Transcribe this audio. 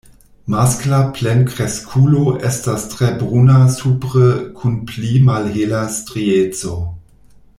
Maskla plenkreskulo estas tre bruna supre kun pli malhela strieco.